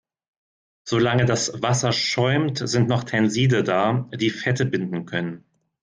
Solange das Wasser schäumt, sind noch Tenside da, die Fette binden können.